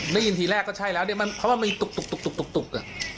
ได้ยินทีแรกก็ใช่แล้วเนี่ยเพราะว่ามันตุก